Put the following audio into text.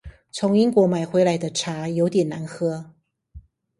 從英國買回來的茶有點難喝